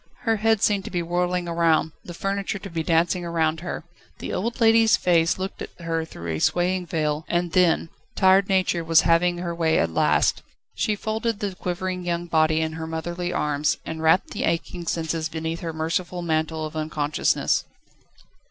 Her head seemed to be whirling round, the furniture to be dancing round her; the old lady's face looked at her through a swaying veil, and then and then ... Tired Nature was having her way at last; she folded the quivering young body in her motherly arms, and wrapped the aching senses beneath her merciful mantle of unconsciousness.